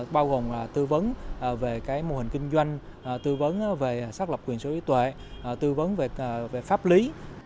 bao gồm là tư vấn về cái mô hình kinh doanh tư vấn về xác lập quyền số yếu tội tư vấn về pháp lý